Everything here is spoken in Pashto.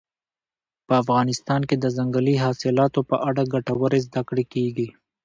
په افغانستان کې د ځنګلي حاصلاتو په اړه ګټورې زده کړې کېږي.